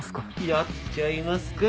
やっちゃいますか。